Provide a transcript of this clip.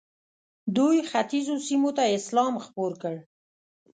دوی ختیځو سیمو ته اسلام خپور کړ.